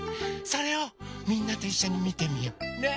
それをみんなといっしょにみてみよう。ね！